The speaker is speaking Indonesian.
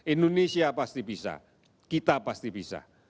indonesia pasti bisa kita pasti bisa